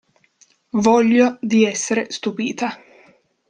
Voglio di essere stupita.